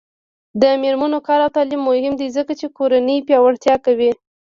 د میرمنو کار او تعلیم مهم دی ځکه چې کورنۍ پیاوړتیا کوي.